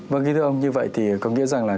vâng ghi thưa ông như vậy thì có nghĩa rằng là